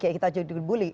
kiai kita jadi dibully